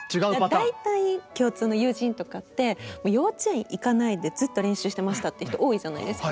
大体共通の友人とかって幼稚園行かないでずっと練習してましたって人多いじゃないですか。